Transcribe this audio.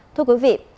thưa quý vị